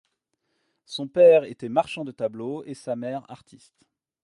Son père était marchand de tableaux et sa mère artiste.